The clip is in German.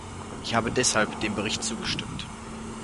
Ich habe deshalb dem Bericht zugestimmt.